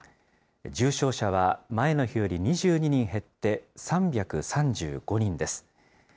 重症者は前の日より２２人減って３３５人です。